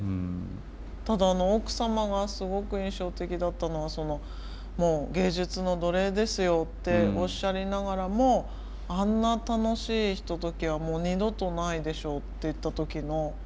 ただあの奥様がすごく印象的だったのは「もう芸術の奴隷ですよ」っておっしゃりながらも「あんな楽しいひとときはもう二度とないでしょう」って言った時のもう私号泣でした。